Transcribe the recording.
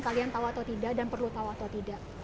kalian tahu atau tidak dan perlu tahu atau tidak